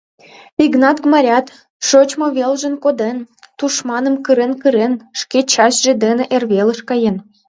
Игнат Гмарят, шочмо велжым коден, тушманым кырен-кырен, шке частьше дене эрвелыш каен.